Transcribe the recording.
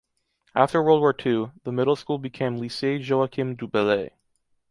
After World War II, the middle school became Lycée Joachim-du-Bellay.